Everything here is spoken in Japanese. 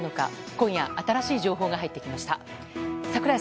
今夜、新しい情報が入ってきました。